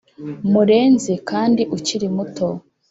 murenzi kandi ukiri muto"